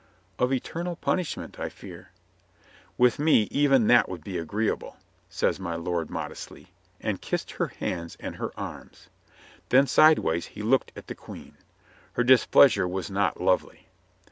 "Of eternal punishment, I fear." "With me even that would be agreeable," says my lord modestly, and kissed her hands and her arms. Then sidewise he looked at the Queen. Her dis pleasure was not lovely.